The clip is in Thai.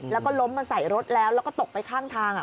แล้วก็ล้มมาใส่รถแล้วแล้วก็ตกไปข้างทาง